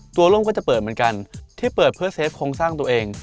ร่มก็จะเปิดเหมือนกันที่เปิดเพื่อเซฟโครงสร้างตัวเอง